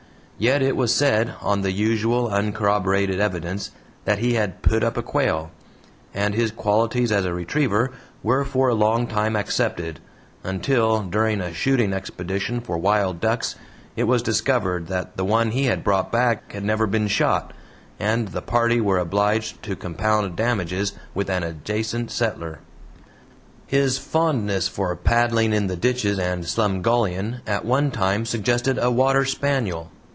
Yet it was said on the usual uncorroborated evidence that he had "put up" a quail; and his qualities as a retriever were for a long time accepted, until, during a shooting expedition for wild ducks, it was discovered that the one he had brought back had never been shot, and the party were obliged to compound damages with an adjacent settler. His fondness for paddling in the ditches and "slumgullion" at one time suggested a water spaniel.